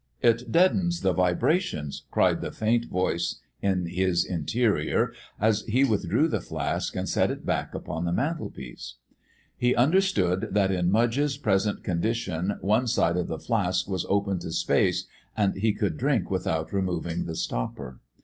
It deadens the vibrations!" cried the faint voice in his interior, as he withdrew the flask and set it back upon the mantelpiece. He understood that in Mudge's present condition one side of the flask was open to space and he could drink without removing the stopper.